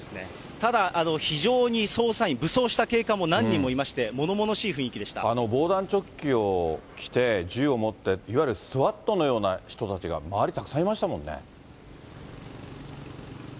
ただ非常に捜査員、武装した警官も何人もいまして、防弾チョッキを着て、銃を持って、いわゆるスワットのような人たちが周り、たくさんいましたもんね。